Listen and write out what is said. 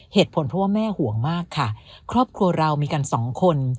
เหตุผลเพราะว่าแม่ห่วงมากค่ะครอบครัวเรามีกันสองคน